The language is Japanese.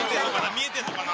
見えてんのかな？